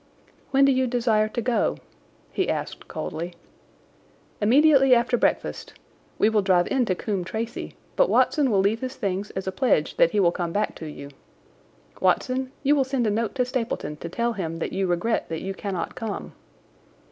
"When do you desire to go?" he asked coldly. "Immediately after breakfast. We will drive in to Coombe Tracey, but Watson will leave his things as a pledge that he will come back to you. Watson, you will send a note to Stapleton to tell him that you regret that you cannot come."